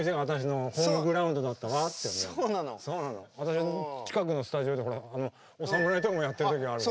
私近くのスタジオでお侍とかもやってる時あるから。